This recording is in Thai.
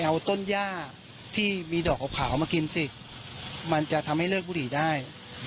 เอาต้นย่าที่มีดอกขาวมากินสิมันจะทำให้เลิกบุหรี่ได้